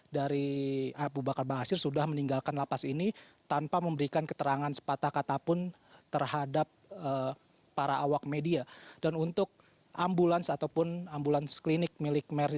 dan juga karena itu kunjungan pada hari selasa ini memang menjadi pertanyaan apakah yang dilakukan ke pengacara